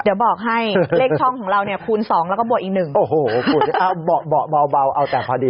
เดี๋ยวบอกให้